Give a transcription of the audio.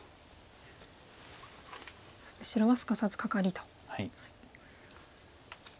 そして白はすかさずカカリと。